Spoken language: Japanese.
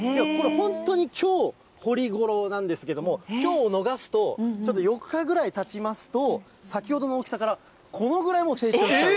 本当にきょう、掘り頃なんですけども、きょうを逃すと、ちょっと４日ぐらいたちますと、先ほどの大きさからこのぐらい、もう成長しちゃう。